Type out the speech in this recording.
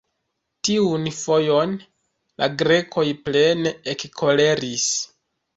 Tiun fojon, la Grekoj plene ekkoleris.